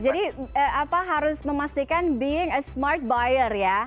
jadi apa harus memastikan being a smart buyer ya